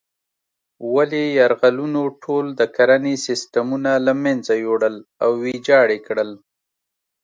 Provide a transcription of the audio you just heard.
ولې یرغلونو ټول د کرنې سیسټمونه له منځه یوړل او ویجاړ یې کړل.